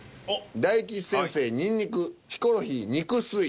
大吉先生「ニンニク」ヒコロヒー「肉吸い」